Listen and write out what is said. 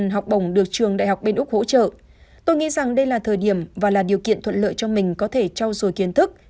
hoa hậu chia sẻ